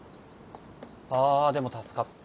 あでも助かった。